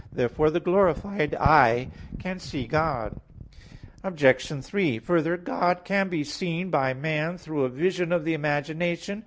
Therefore the glorified eye can see God. Obj. 3: Further, God can be seen by man through a vision of the imagination.